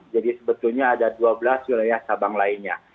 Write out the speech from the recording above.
jadi sebetulnya ada dua belas wilayah sabang lainnya